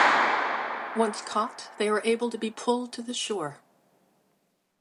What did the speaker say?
Once caught they were able to be pulled to the shore.